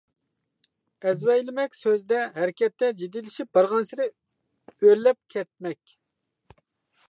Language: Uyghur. ئەزۋەيلىمەك سۆزدە، ھەرىكەتتە جىددىيلىشىپ بارغانسېرى ئۆرلەپ كەتمەك.